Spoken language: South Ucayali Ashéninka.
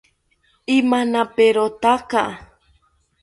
Imanaperotaka